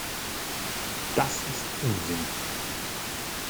Das ist Unsinn.